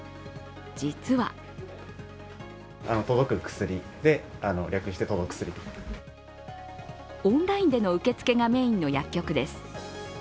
実はオンラインでの受付がメインの薬局です。